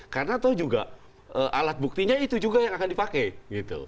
karena itu juga alat buktinya itu juga yang akan dipakai